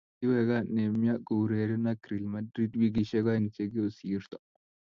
kiweeka Neymar koureren ak Real Madrid wikishe oeng che kosirto.